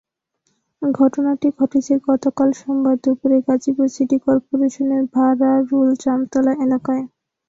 ঘটনাটি ঘটেছে গতকাল সোমবার দুপুরে গাজীপুর সিটি করপোরেশনের ভারারুল জামতলা এলাকায়।